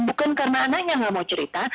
bukan karena anaknya nggak mau cerita